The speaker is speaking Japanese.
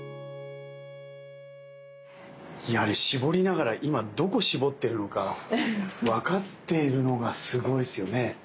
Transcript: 絞りながら今どこ絞ってるのか分かっているのがすごいですよね。